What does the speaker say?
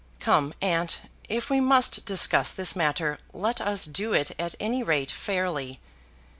Come, aunt, if we must discuss this matter let us do it at any rate fairly.